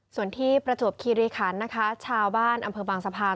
ส่วนที่ประจวบคีรีคันนะคะชาวบ้านอำเภอบางสะพาน